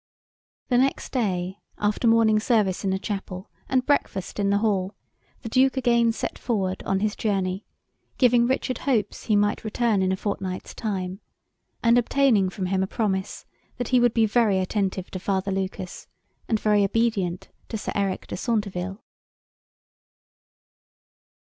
The next day, after morning service in the Chapel, and breakfast in the hall, the Duke again set forward on his journey, giving Richard hopes he might return in a fortnight's time, and obtaining from him a promise that he would be very attentive to Father Lucas, and very obedient to Sir Eric de Centeville.